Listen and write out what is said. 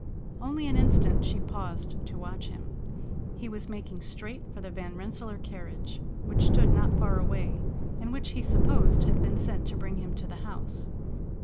Only an instant she paused to watch him. He was making straight for the Van Rensselaer carriage, which stood not far away, and which he supposed had been sent to bring him to the house.